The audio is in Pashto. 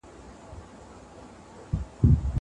د غریبانو د ستونزو حل د حکومت دنده ده.